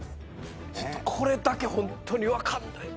これだけホントに分かんない。